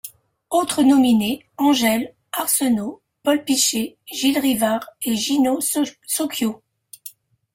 Autres nominés: Angèle Arsenault, Paul Piché, Gilles Rivard, Gino Socchio.